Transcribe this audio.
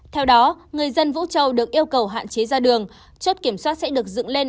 theo đó người dân vũ châu được yêu cầu hạn chế ra đường chốt kiểm soát sẽ được dựng lên